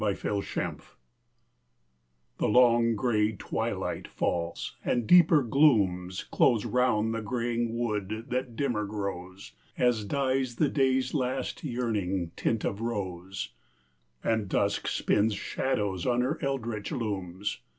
In the Dark Forest The long gray twilight falls and deeper glooms Close round the graying wood that dimmer grows As dies the Day's last yearning tint of rose, And Dusk spins shadows on her eldritch looms.